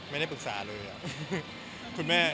ไม่ได้ปรึกษาเลย